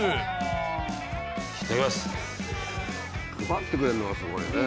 配ってくれるのがすごいよね。